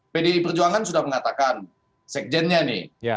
pdi perjuangan sudah mengatakan sekjennya nih